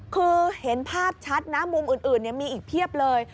คือเห็นภาพชัดนะมุมอื่นมีอีกเพียบเลย